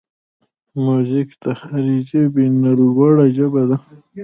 موزیک د هر ژبې نه لوړه ژبه ده.